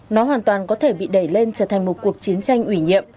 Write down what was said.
nó hoàn toàn có thể bị đẩy lên trở thành một cuộc chiến tranh ủy nhiệm